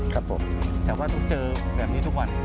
แต่ว่าเราเจอแบบนี้ทุกวัน